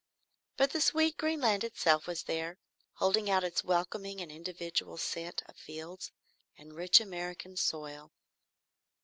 But the sweet green land itself was there, holding out its welcoming and individual scent of fields and rich American soil.